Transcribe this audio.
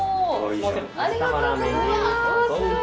ありがとうございます。